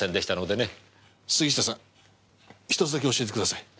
杉下さん１つだけ教えてください。